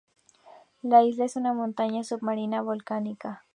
La isla es una montaña submarina volcánica.